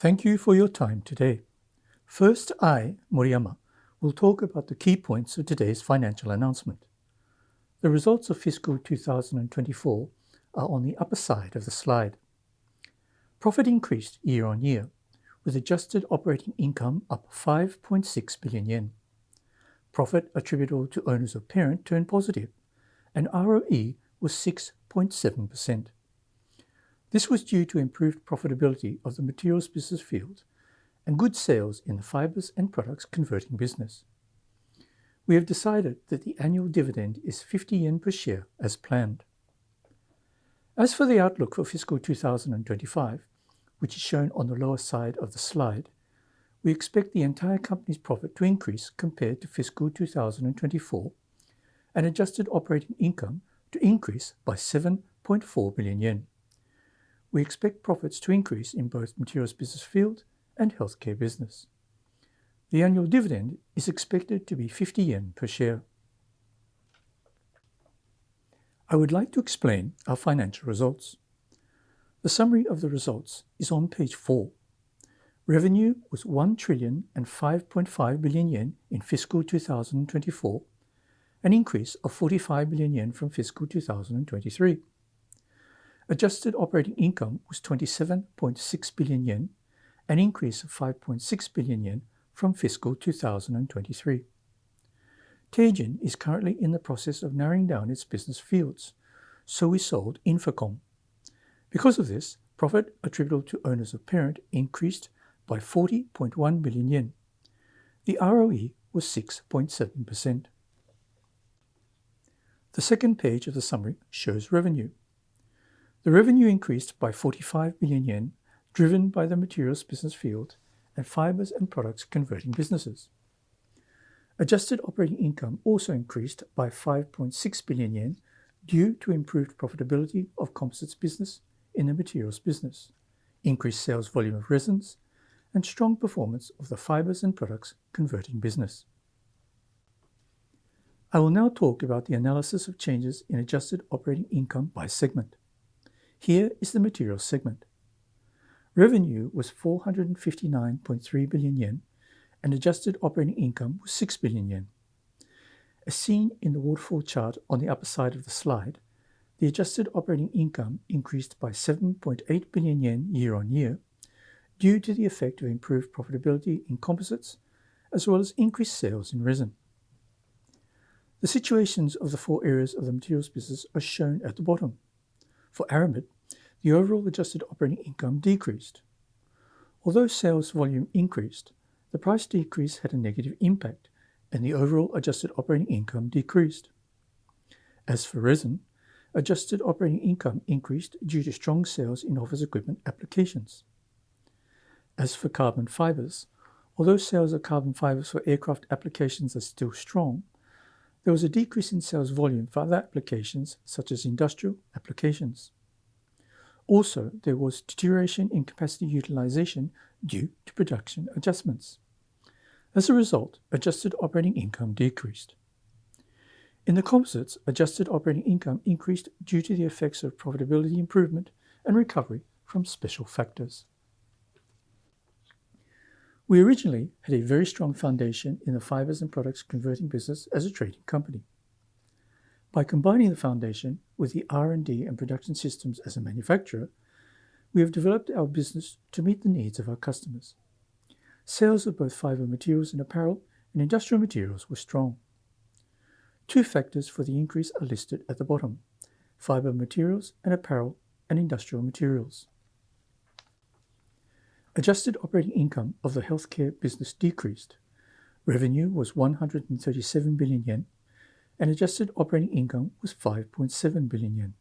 Thank you for your time today. First, I, Moriyama, will talk about the key points of today's financial announcement. The results of fiscal 2024 are on the upper side of the slide. Profit increased year-on-year, with adjusted operating income up 5.6 billion yen. Profit attributable to owners of parent turned positive, and ROE was 6.7%. This was due to improved profitability of the Materials business field and good sales in the fibers and products Converting business. We have decided that the annual dividend is 50 yen per share as planned. As for the outlook for fiscal 2025, which is shown on the lower side of the slide, we expect the entire Company's profit to increase compared to fiscal 2024, and adjusted operating income to increase by 7.4 billion yen. We expect profits to increase in both materials Business field and Healthcare business. The annual dividend is expected to be 50 yen per share. I would like to explain our financial results. The summary of the results is on page four. Revenue was 1 trillion 5.5 billion in fiscal 2024, an increase of 45 billion yen from fiscal 2023. Adjusted operating income was 27.6 billion yen, an increase of 5.6 billion yen from fiscal 2023. Teijin is currently in the process of narrowing down its Business fields, so we sold Infocom. Because of this, profit attributable to owners of parent increased by 40.1 billion yen. The ROE was 6.7%. The second page of the summary shows revenue. The revenue increased by 45 billion yen, driven by the materials Business field and Fibers & Products Converting businesses. Adjusted operating income also increased by 5.6 billion yen due to improved profitability of Composites business in the Materials business, increased sales volume of resins, and strong performance of the Fibers & Products Converting business. I will now talk about the analysis of changes in adjusted operating income by segment. Here is the Materials segment. Revenue was 459.3 billion yen, and adjusted operating income was 6 billion yen. As seen in the waterfall chart on the upper side of the slide, the adjusted operating income increased by 7.8 billion yen year-on-year due to the effect of improved profitability in Composites, as well as increased sales in Resin. The situations of the four areas of the Materials business are shown at the bottom. For Aramid, the overall adjusted operating income decreased. Although sales volume increased, the price decrease had a negative impact, and the overall adjusted operating income decreased. As for Resin, adjusted operating income increased due to strong sales in office equipment applications. As for Carbon Fibers, although sales of Carbon Fibers for aircraft applications are still strong, there was a decrease in sales volume for other applications such as industrial applications. Also, there was deterioration in capacity utilization due to production adjustments. As a result, adjusted operating income decreased. In the Composites, adjusted operating income increased due to the effects of profitability improvement and recovery from special factors. We originally had a very strong foundation in the Fibers & Products Converting business as a trading company. By combining the foundation with the R&D and production systems as a manufacturer, we have developed our business to meet the needs of our customers. Sales of both fiber materials and apparel and industrial materials were strong. Two factors for the increase are listed at the bottom: Fiber Materials and Apparel and Industrial Materials. Adjusted operating income of the healthcare business decreased. Revenue was 137 billion yen, and adjusted operating income was 5.7 billion yen.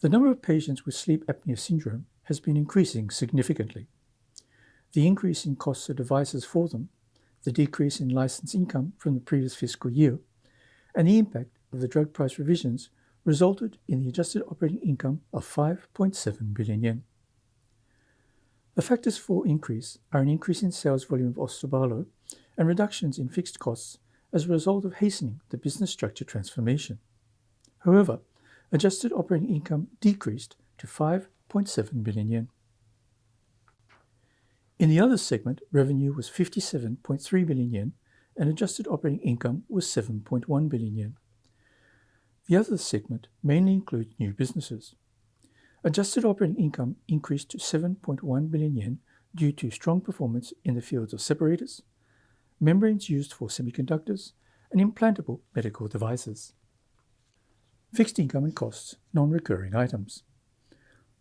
The number of patients with sleep apnea syndrome has been increasing significantly. The increase in costs of devices for them, the decrease in license income from the previous fiscal year, and the impact of the drug price revisions resulted in the adjusted operating income of 5.7 billion yen. The factors for increase are an increase in sales volume of Ossibon and reductions in fixed costs as a result of hastening the business structure transformation. However, adjusted operating income decreased to 5.7 billion yen. In the Other segment, revenue was 57.3 billion yen, and adjusted operating income was 7.1 billion yen. The Other segment mainly includes new businesses. Adjusted operating income increased to 7.1 billion yen due to strong performance in the fields of separators, membranes used for Semiconductors, and Implantable Medical Devices. Fixed income and costs, non-recurring items.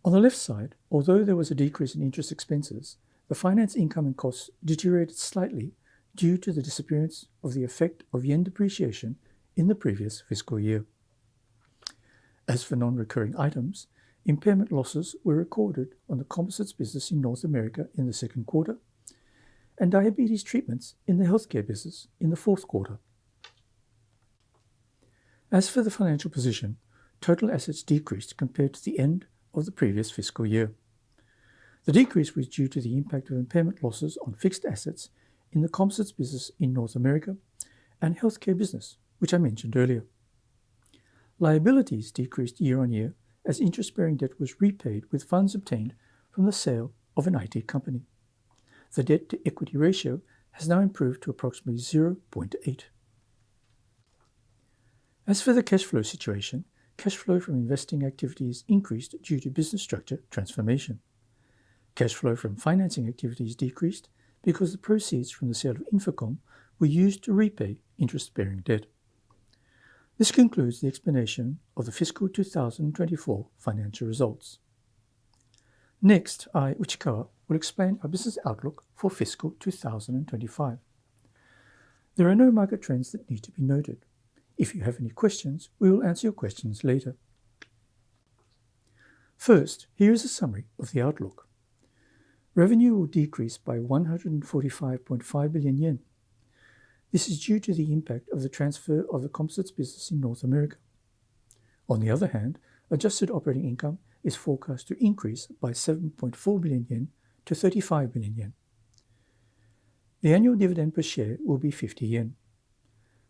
On the left side, although there was a decrease in interest expenses, the finance income and costs deteriorated slightly due to the disappearance of the effect of yen depreciation in the previous fiscal year. As for non-recurring items, impairment losses were recorded on the Composites business in North America in the second quarter, and diabetes treatments in the Healthcare business in the fourth quarter. As for the financial position, total assets decreased compared to the end of the previous fiscal year. The decrease was due to the impact of impairment losses on fixed assets in the Composites business in North America and Healthcare business, which I mentioned earlier. Liabilities decreased year-on-year as interest-bearing debt was repaid with funds obtained from the sale of an IT company. The debt-to-equity ratio has now improved to approximately 0.8. As for the cash flow situation, cash flow from investing activities increased due to business structure transformation. Cash flow from financing activities decreased because the proceeds from the sale of Infocom were used to repay interest-bearing debt. This concludes the explanation of the fiscal 2024 financial results. Next, I, Uchikawa, will explain our business outlook for fiscal 2025. There are no market trends that need to be noted. If you have any questions, we will answer your questions later. First, here is a summary of the outlook. Revenue will decrease by 145.5 billion yen. This is due to the impact of the transfer of the Composites business in North America. On the other hand, adjusted operating income is forecast to increase by 7.4 billion yen to 35 billion yen. The annual dividend per share will be 50 yen.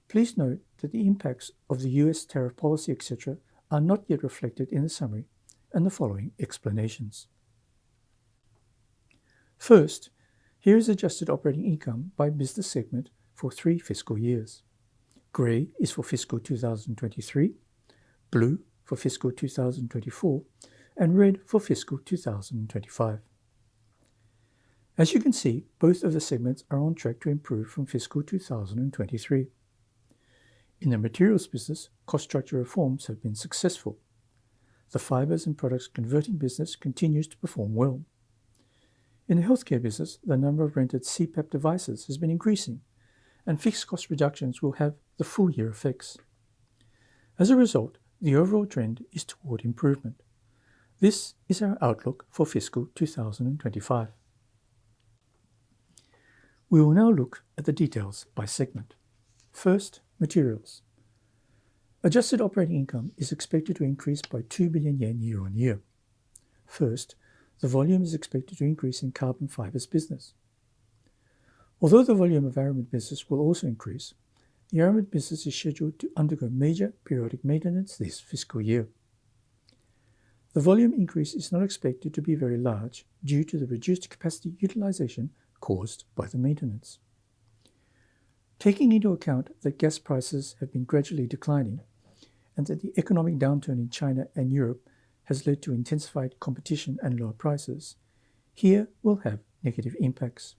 Please note that the impacts of the U.S. tariff policy, et cetera, are not yet reflected in the summary and the following explanations. First, here is adjusted operating income by Business segment for three fiscal years. Gray is for fiscal 2023, blue for fiscal 2024, and red for fiscal 2025. As you can see, both of the segments are on track to improve from fiscal 2023. In the Materials business, cost structure reforms have been successful. The Fibers & Products Converting business continues to perform well. In the Healthcare business, the number of rented CPAP devices has been increasing, and fixed cost reductions will have the full year effects. As a result, the overall trend is toward improvement. This is our outlook for fiscal 2025. We will now look at the details by segment. First, Materials. Adjusted operating income is expected to increase by 2 billion yen year-on-year. First, the volume is expected to increase in carbon fibers business. Although the volume of Aramid business will also increase, the Aramid business is scheduled to undergo major periodic maintenance this fiscal year. The volume increase is not expected to be very large due to the reduced capacity utilization caused by the maintenance. Taking into account that gas prices have been gradually declining and that the economic downturn in China and Europe has led to intensified competition and lower prices, these will have negative impacts.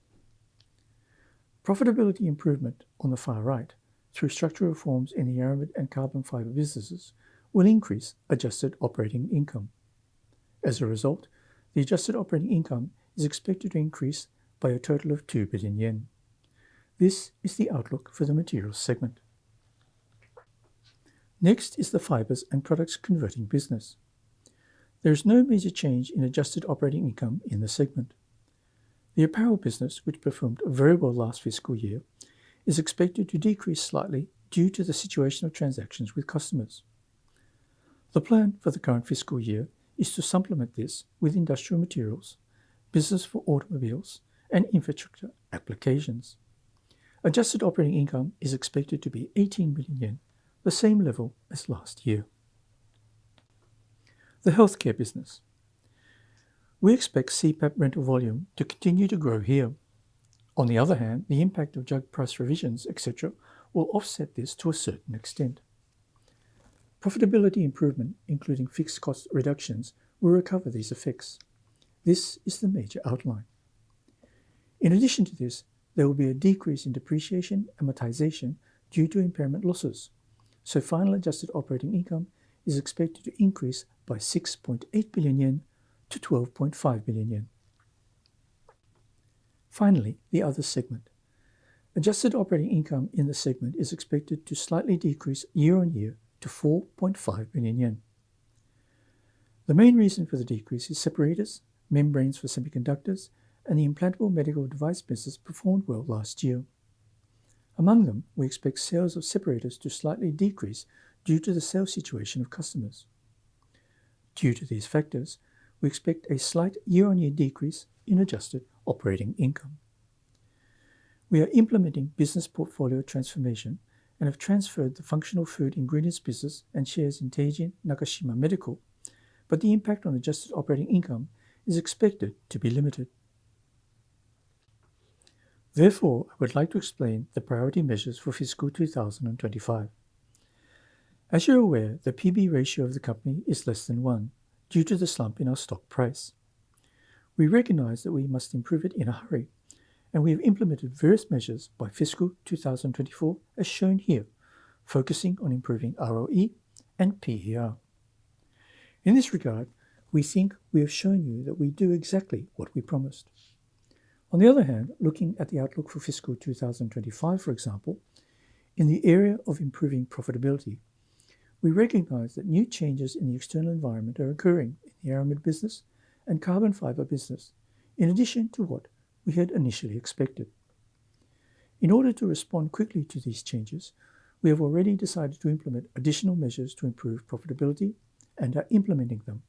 Profitability improvement on the far right through structural reforms in the Aramid and Carbon Fiber businesses will increase adjusted operating income. As a result, the adjusted operating income is expected to increase by a total of 2 billion yen. This is the outlook for the Materials segment. Next is the Fibers & Products Converting business. There is no major change in adjusted operating income in the segment. The Apparel business, which performed very well last fiscal year, is expected to decrease slightly due to the situation of transactions with customers. The plan for the current fiscal year is to supplement this with Industrial Materials, business for automobiles, and infrastructure applications. Adjusted operating income is expected to be 18 billion yen, the same level as last year. The Healthcare business. We expect CPAP rental volume to continue to grow here. On the other hand, the impact of drug price revisions, et cetera, will offset this to a certain extent. Profitability improvement, including fixed cost reductions, will recover these effects. This is the major outline. In addition to this, there will be a decrease in depreciation amortization due to impairment losses, so final adjusted operating income is expected to increase by 6.8 billion yen to 12.5 billion yen. Finally, the other segment. Adjusted operating income in the segment is expected to slightly decrease year-on-year to 4.5 billion yen. The main reason for the decrease is separators, membranes for Semiconductors, and the Implantable Medical Device business performed well last year. Among them, we expect sales of separators to slightly decrease due to the sales situation of customers. Due to these factors, we expect a slight year-on-year decrease in adjusted operating income. We are implementing business portfolio transformation and have transferred the Functional Food Ingredients business and shares in Teijin Nakashima Medical, but the impact on adjusted operating income is expected to be limited. Therefore, I would like to explain the priority measures for fiscal 2025. As you're aware, the PB ratio of the Company is less than 1 due to the slump in our stock price. We recognize that we must improve it in a hurry, and we have implemented various measures by fiscal 2024, as shown here, focusing on improving ROE and PER. In this regard, we think we have shown you that we do exactly what we promised. On the other hand, looking at the outlook for fiscal 2025, for example, in the area of improving profitability, we recognize that new changes in the external environment are occurring in the Aramid business and Carbon Fiber business, in addition to what we had initially expected. In order to respond quickly to these changes, we have already decided to implement additional measures to improve profitability and are implementing them.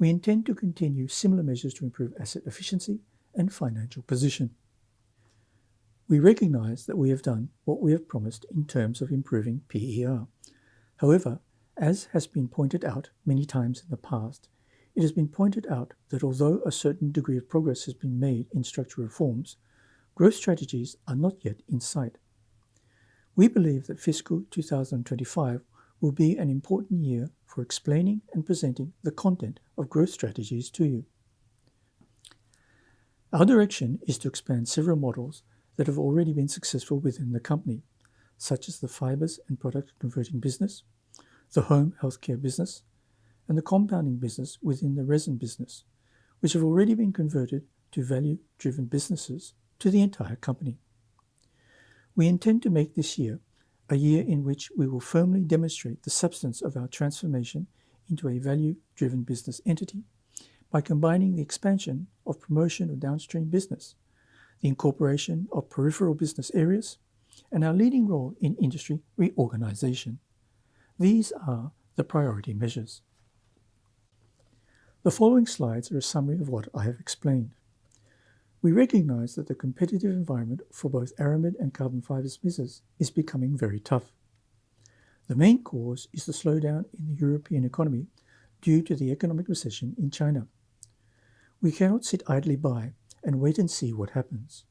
We intend to continue similar measures to improve asset efficiency and financial position. We recognize that we have done what we have promised in terms of improving PER. However, as has been pointed out many times in the past, it has been pointed out that although a certain degree of progress has been made in structural reforms, growth strategies are not yet in sight. We believe that fiscal 2025 will be an important year for explaining and presenting the content of growth strategies to you. Our direction is to expand several models that have already been successful within the Company, such as the Fibers & Products Converting business, the home Healthcare business, and the Compounding business within the Resin business, which have already been converted to value-driven businesses to the entire Company. We intend to make this year a year in which we will firmly demonstrate the substance of our transformation into a value-driven business entity by combining the expansion of promotional downstream business, the incorporation of peripheral business areas, and our leading role in industry reorganization. These are the priority measures. The following slides are a summary of what I have explained. We recognize that the competitive environment for both Aramid and Carbon Fiber businesses is becoming very tough. The main cause is the slowdown in the European economy due to the economic recession in China. We cannot sit idly by and wait and see what happens.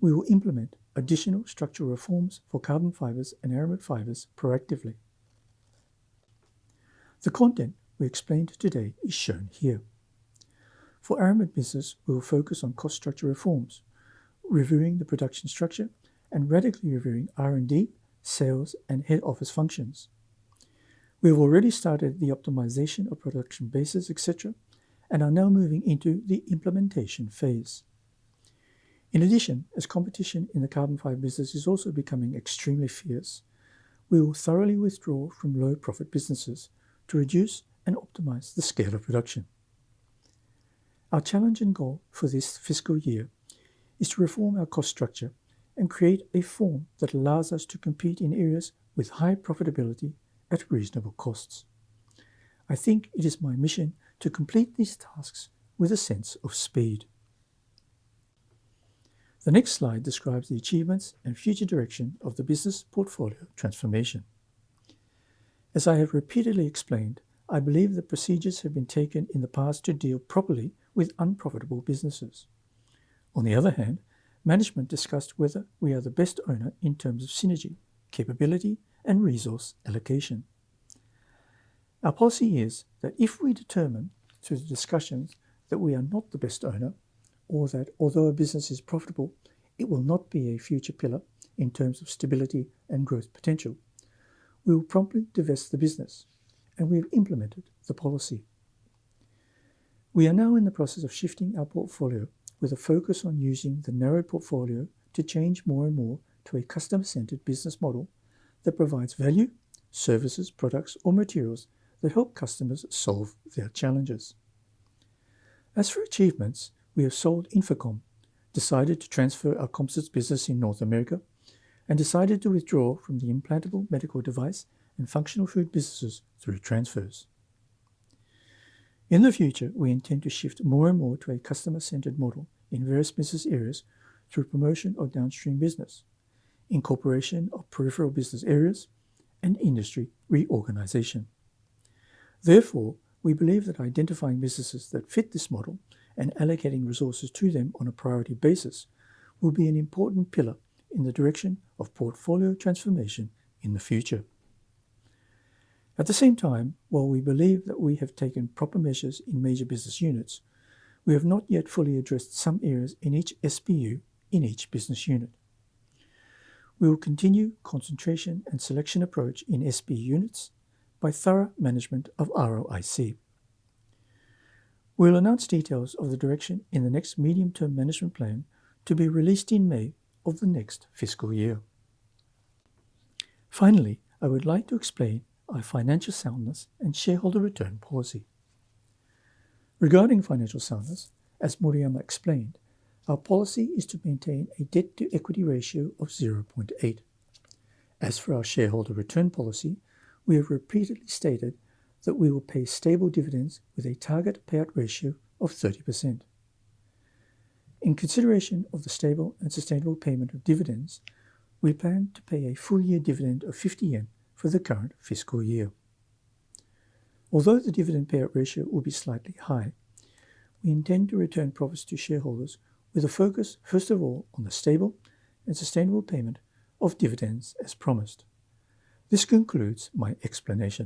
We will implement additional structural reforms for Carbon Fibers and Aramid Fibers proactively. The content we explained today is shown here. For Aramid business, we will focus on cost structure reforms, reviewing the production structure and radically reviewing R&D, sales, and head office functions. We have already started the optimization of production bases, et cetera, and are now moving into the implementation phase. In addition, as competition in the Carbon Fiber business is also becoming extremely fierce, we will thoroughly withdraw from low-profit businesses to reduce and optimize the scale of production. Our challenge and goal for this fiscal year is to reform our cost structure and create a form that allows us to compete in areas with high profitability at reasonable costs. I think it is my mission to complete these tasks with a sense of speed. The next slide describes the achievements and future direction of the business portfolio transformation. As I have repeatedly explained, I believe the procedures have been taken in the past to deal properly with unprofitable businesses. On the other hand, management discussed whether we are the best owner in terms of synergy, capability, and resource allocation. Our policy is that if we determine, through the discussions, that we are not the best owner or that although a business is profitable, it will not be a future pillar in terms of stability and growth potential, we will promptly divest the business, and we have implemented the policy. We are now in the process of shifting our portfolio with a focus on using the narrow portfolio to change more and more to a customer-centered business model that provides value, services, products, or materials that help customers solve their challenges. As for achievements, we have sold Infocom, decided to transfer our composites business in North America, and decided to withdraw from the implantable medical device and functional food businesses through transfers. In the future, we intend to shift more and more to a customer-centered model in various business areas through promotion of downstream business, incorporation of peripheral business areas, and industry reorganization. Therefore, we believe that identifying businesses that fit this model and allocating resources to them on a priority basis will be an important pillar in the direction of portfolio transformation in the future. At the same time, while we believe that we have taken proper measures in major business units, we have not yet fully addressed some areas in each SBU in each business unit. We will continue concentration and selection approach in SBU units by thorough management of ROIC. We will announce details of the direction in the next medium-term management plan to be released in May of the next fiscal year. Finally, I would like to explain our financial soundness and shareholder return policy. Regarding financial soundness, as Moriyama explained, our policy is to maintain a debt-to-equity ratio of 0.8. As for our shareholder return policy, we have repeatedly stated that we will pay stable dividends with a target payout ratio of 30%. In consideration of the stable and sustainable payment of dividends, we plan to pay a full year dividend of 50 yen for the current fiscal year. Although the dividend payout ratio will be slightly high, we intend to return profits to shareholders with a focus, first of all, on the stable and sustainable payment of dividends as promised. This concludes my explanation.